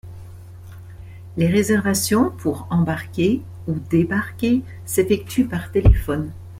Les réservations, pour embarquer ou débarquer, s'effectuent par téléphone.